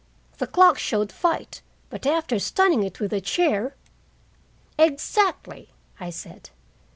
The clock showed fight, but after stunning it with a chair " "Exactly!" I said.